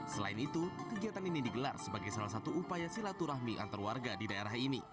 selain itu kegiatan ini digelar sebagai salah satu upaya silaturahmi antar warga di daerah ini